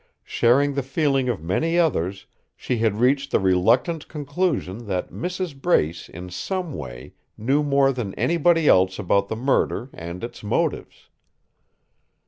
Sharing the feeling of many others, she had reached the reluctant conclusion that Mrs. Brace in some way knew more than anybody else about the murder and its motives.